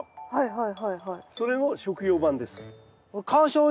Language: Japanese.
はい。